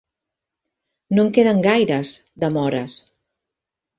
No en queden gaires, de mores.